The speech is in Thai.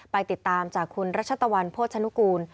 ไปติดตามจากคุณรัชตะวันโภชนุกูล